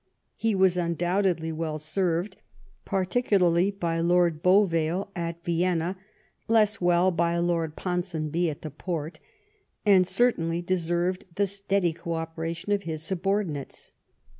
He was undoubtedly well served, particularly by Lord Beauvale at Vienna — less well by Lord Pon sonby at the Porte — and certainly deserved the steady co operation of his subordinates.